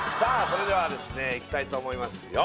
それではですねいきたいと思いますよ